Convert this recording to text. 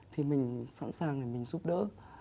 thì mình sẵn sàng để mình giúp đỡ